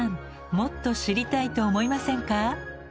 もっと知りたいと思いませんか？